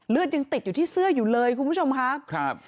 ยังติดอยู่ที่เสื้ออยู่เลยคุณผู้ชมครับ